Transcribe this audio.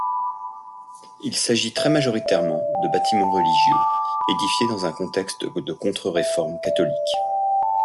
Il s'agit très majoritairement de bâtiments religieux, édifiés dans un contexte de Contre-Réforme catholique.